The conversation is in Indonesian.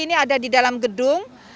ini ada di dalam gedung